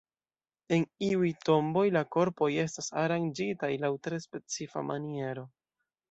En iuj tomboj la korpoj estas aranĝitaj laŭ tre specifaj manieroj.